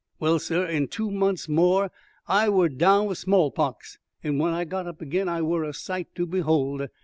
Well, sur, in two months more I were down wi' small pox, and when I got up again I wur a sight to behold.